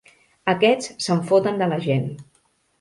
Aquests se'n foten de la gent.